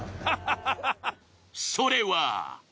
それは。